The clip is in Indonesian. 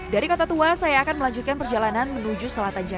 dari kota tua saya akan melanjutkan perjalanan ke kota tua